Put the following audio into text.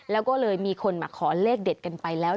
แล้วก็เลยมีคนมาขอเลขเด็ดกันไปแล้ว